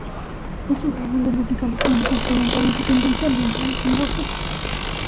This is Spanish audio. Es un álbum de música electrónica instrumental en su tendencia ambiental, sin voces.